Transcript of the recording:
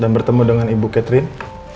dan bertemu dengan ibu catherine